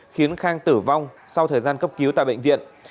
khiến khang tử vong sau thời gian cấp cứu tại bệnh viện